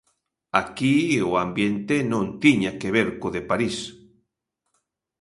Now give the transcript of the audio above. Aquí, o ambiente non tiña que ver co de París.